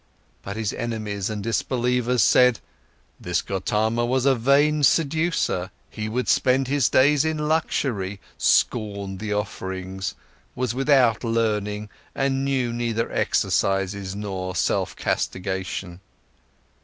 But his enemies and disbelievers said, this Gotama was a vain seducer, who spent his days in luxury, scorned the offerings, was without learning, and knew neither exercises nor self castigation.